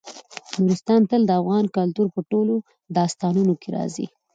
نورستان تل د افغان کلتور په ټولو داستانونو کې راځي.